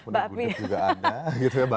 bapia pun ada bunyi juga ada